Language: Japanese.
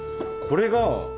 これが。